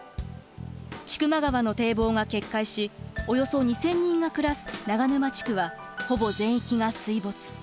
千曲川の堤防が決壊しおよそ２，０００人が暮らす長沼地区はほぼ全域が水没。